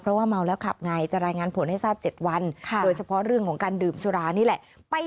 เพราะว่าเม้าแล้วขับไง